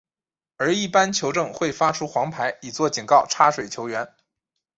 而一般球证会发出黄牌以作警告插水球员。